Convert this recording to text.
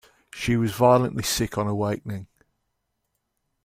She was violently sick on awakening.